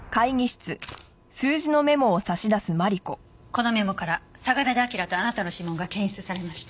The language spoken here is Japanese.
このメモから嵯峨根田輝とあなたの指紋が検出されました。